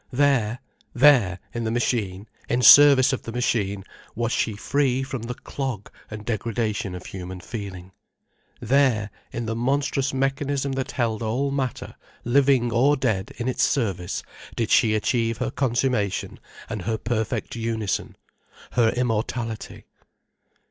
There, there, in the machine, in service of the machine, was she free from the clog and degradation of human feeling. There, in the monstrous mechanism that held all matter, living or dead, in its service, did she achieve her consummation and her perfect unison, her immortality.